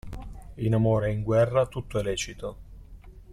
In amore e in guerra tutto è lecito.